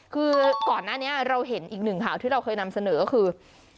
คือก่อนหน้านี้เราเห็นอีกหนึ่งข่าวที่เราเคยนำเสนอก็คือ